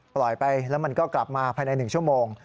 ปล่อยไปแล้วมันก็กลับมาภายใน๑ชั่วโมง